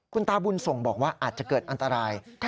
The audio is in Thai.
คุณตาบุญส่งบอกว่าอาจจะเกิดอันตราย